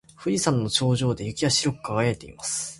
富士山の頂上は雪で白く輝いています。